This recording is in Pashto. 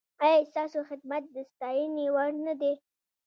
ایا ستاسو خدمت د ستاینې وړ نه دی؟